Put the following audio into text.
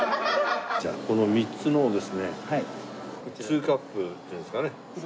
じゃあこの３つのをですね２カップっていうんですかね？